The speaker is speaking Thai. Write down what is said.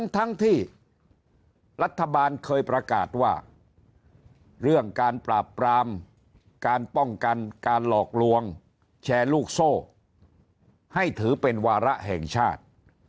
ทั้งที่รัฐบาลเคยประกาศว่าเรื่องการปราบปรามการป้องกันการหลอกลวงแชร์ลูกโซ่ให้ถือเป็นวาระแห่งชาติ